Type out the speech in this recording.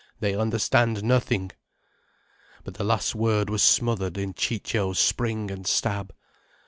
"They understand nothing." But the last word was smothered in Ciccio's spring and stab.